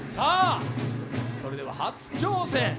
それでは初挑戦。